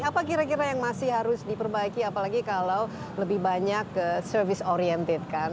apa kira kira yang masih harus diperbaiki apalagi kalau lebih banyak service oriented kan